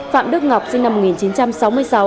phạm đức ngọc sinh năm một nghìn chín trăm sáu mươi sáu